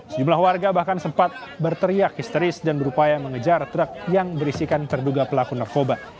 sejumlah warga bahkan sempat berteriak histeris dan berupaya mengejar truk yang berisikan terduga pelaku narkoba